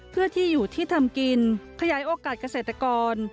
เพื่อที่อยู่ที่ทำกินขยายโอกาสเกษตรกร